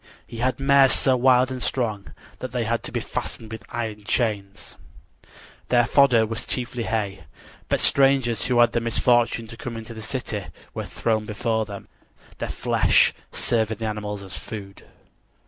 He had mares so wild and strong that they had to be fastened with iron chains. Their fodder was chiefly hay; but strangers who had the misfortune to come into the city were thrown before them, their flesh serving the animals as food.